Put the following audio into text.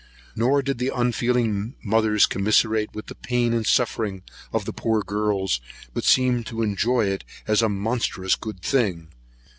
Nor did the unfeeling mothers commiserate with the pain and suffering of the poor girls, but seemed to enjoy it as a monstrous good thing.